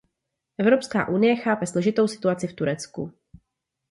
Evropská unie chápe složitou situaci v Turecku.